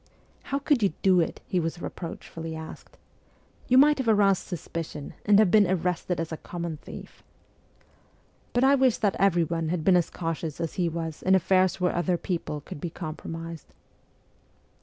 ' How could you do it ?' he was reproach fully asked. ' You might have aroused suspicion, and have been arrested as a common thief.' But I wish that everyone had been as cautious as he was in affairs where other people could be compromised.